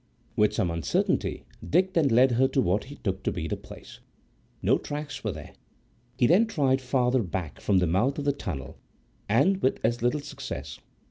With some uncertainty, Dick then led her to what he took to be the place. No tracks were there. He then tried further back from the mouth of the tunnel, and with as little success.